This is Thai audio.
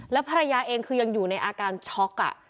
แล้วภรรยาเองคือยังอยู่ในอาการช็อก